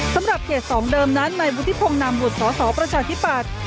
สำหรับเขต๒เดิมนั้นในวุฒิพงศ์นามบุตรสอสอประชาธิปัตย์